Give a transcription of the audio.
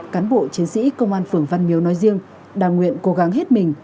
cán bộ chiến sĩ công an phường văn miêu nói riêng đàng nguyện cố gắng hết mình